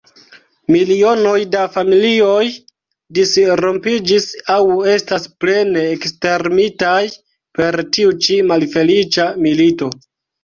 Milionoj da familioj disrompiĝis aŭ estas plene ekstermitaj per tiu ĉi malfeliĉa milito.